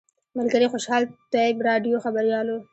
ملګري خوشحال طیب راډیو خبریال و.